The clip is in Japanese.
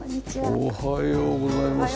おはようございます。